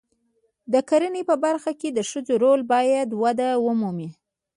د کرنې په برخه کې د ښځو رول باید وده ومومي.